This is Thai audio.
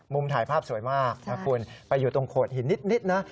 ถ่ายภาพสวยมากนะคุณไปอยู่ตรงโขดหินนิดนะ